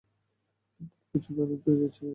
ভোর পর্যন্ত অনেক দূর এগিয়ে গিয়েছিলেন তিনি।